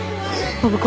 暢子。